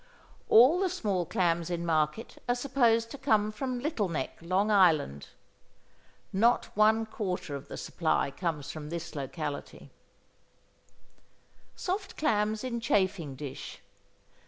All the small clams in market are supposed to come from Little Neck, Long Island. Not one quarter of the supply comes from this locality. =Soft Clams in Chafing Dish.